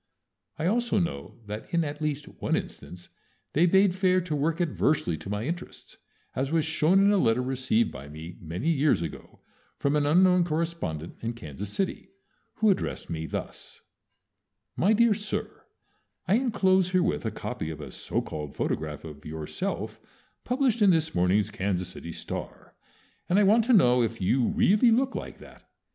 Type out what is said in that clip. I also know that in at least one instance they bade fair to work adversely to my interests, as was shown in a letter received by me many years ago from an unknown correspondent in Kansas City, who addressed me thus: MY DEAR SIR, I inclose herewith a copy of a so called photograph of yourself published in this morning's Kansas City "Star," and I want to know if you really look like that.